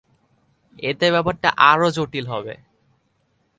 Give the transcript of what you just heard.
এতে ব্যাপারটা আরও জটিল হবে।